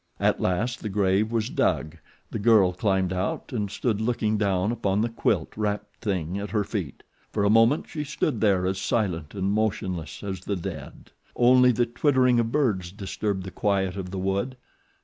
At last the grave was dug. The girl climbed out and stood looking down upon the quilt wrapped thing at her feet. For a moment she stood there as silent and motionless as the dead. Only the twittering of birds disturbed the quiet of the wood.